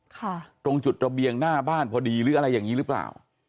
ตรงจุดระเบียงหน้าบ้านพอดีหรืออะไรอย่างนี้หรือเปล่า